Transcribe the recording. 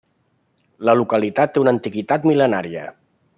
La localitat té una antiguitat mil·lenària.